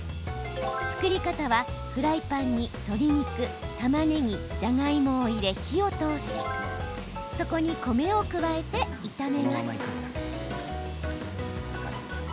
作り方はフライパンに鶏肉、たまねぎじゃがいもを入れ、火を通しそこに米を加えて炒めます。